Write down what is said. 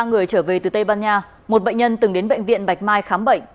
ba người trở về từ tây ban nha một bệnh nhân từng đến bệnh viện bạch mai khám bệnh